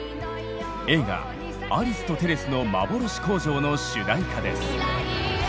映画「アリスとテレスのまぼろし工場」の主題歌です。